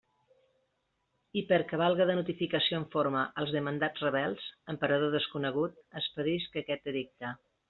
I perquè valga de notificació en forma als demandats rebels, en parador desconegut, expedisc aquest edicte.